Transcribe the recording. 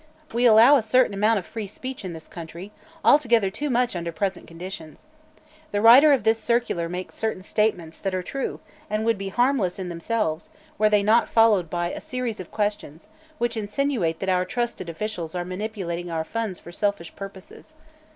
We allow a certain amount of free speech in this country, altogether too much under present conditions. The writer of this circular makes certain statements that are true and would be harmless in themselves were they not followed by a series of questions which insinuate that our trusted officials are manipulating our funds for selfish purposes.